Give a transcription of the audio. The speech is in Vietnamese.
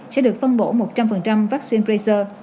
sẽ được phân bổ một trăm linh vaccine freezer